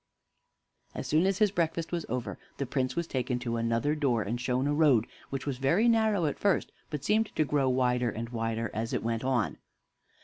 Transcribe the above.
As soon as his breakfast was over, the Prince was taken to another door, and shown a road which was very narrow at first, but seemed to grow wider and wider as it went on.